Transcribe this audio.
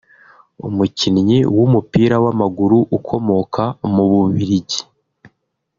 umukinnyi w’umupira w’amaguru ukomoka mu Bubiligi